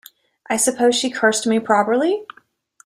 I suppose she cursed me properly?